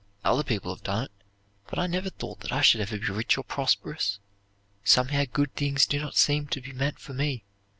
Other people have done it, but I never thought that I should ever be rich or prosperous. Somehow good things do not seem to be meant for me.